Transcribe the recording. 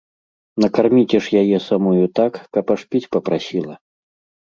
Накарміце ж яе самую так, каб аж піць папрасіла!